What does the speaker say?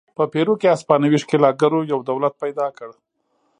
په پیرو کې هسپانوي ښکېلاکګرو یو دولت پیدا کړ.